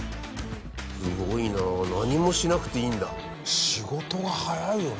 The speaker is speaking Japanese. すごいな何もしなくていいんだ。